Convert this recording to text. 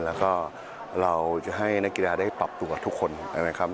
แล้วก็เราจะให้นักกีฬาได้ปรับตัวทุกคนนะครับ